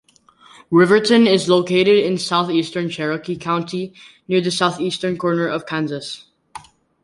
Riverton is located in southeastern Cherokee County near the southeastern corner of Kansas.